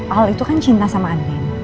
al itu kan cinta sama agen